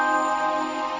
eh tunggu dulu